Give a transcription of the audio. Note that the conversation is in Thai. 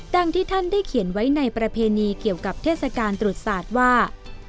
ที่ท่านได้เขียนไว้ในประเพณีเกี่ยวกับเทศกาลตรุษศาสตร์ว่า